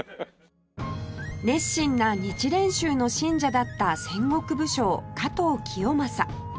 熱心な日蓮宗の信者だった戦国武将加藤清正